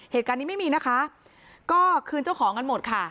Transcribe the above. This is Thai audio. เหตุการณ์นี้ไม่มีนะคะก็คืนเจ้าของกันหมดค่ะ